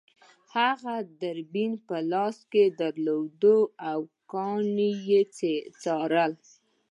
هغه دوربین په لاس کې درلود او کان یې څاره